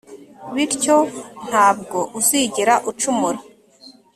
bityo nta bwo uzigera ucumura